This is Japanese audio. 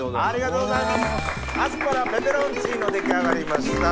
ありがとうございます！